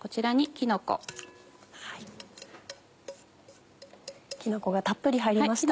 きのこがたっぷり入りました。